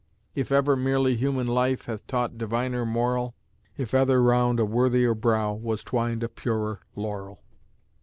If ever merely human life Hath taught diviner moral If ever round a worthier brow Was twined a purer laurel?